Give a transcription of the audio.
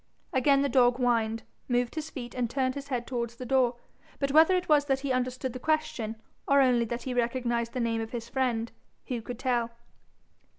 Again the dog whined, moved his feet, and turned his head towards the door. But whether it was that he understood the question, or only that he recognised the name of his friend, who could tell?